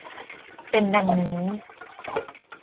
เป็นดังนี้